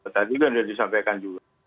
tadi sudah disampaikan juga